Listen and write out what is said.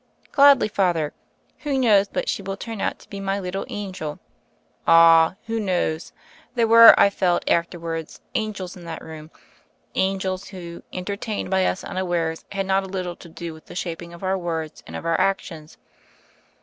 "Gladly, Father. Who knows but she will turn out to be my little angel?" Ah, who knows? There were, I felt after wards, angels in that room, angels who, enter tained by us unawares, had not a little to do with the shaping of our words and of our actions.